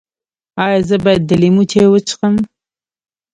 ایا زه باید د لیمو چای وڅښم؟